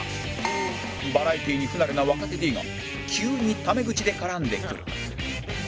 バラエティーに不慣れな若手 Ｄ が急にタメ口で絡んでくる